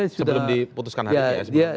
sebelum diputuskan hari psb